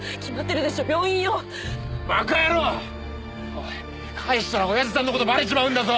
おい帰したらおやじさんの事バレちまうんだぞ。